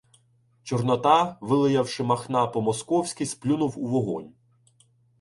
Чорнота, вилаявши Махна "по-московськи", сплюнув у вогонь.